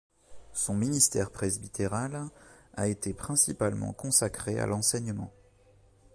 Son ministère presbytéral a été principalement consacré à l'enseignement.